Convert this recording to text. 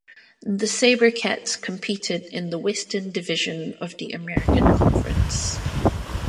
The SaberCats competed in the Western Division of the American Conference.